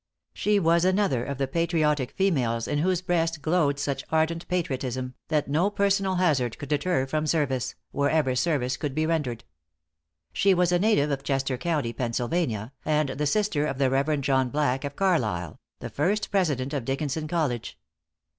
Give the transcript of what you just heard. She was another of the patriotic females in whose breast glowed such ardent patriotism, that no personal hazard could deter from service, wherever service could be rendered. She was a native of Chester County, Pennsylvania, and the sister of the Reverend John Black, of Carlisle, the first president of Dickinson College.